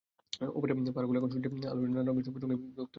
ওপারের পাহাড়গুলো এখন সূর্যের আলোয় নানা স্তরের সবুজ রঙে বিভক্ত হয়ে আছে।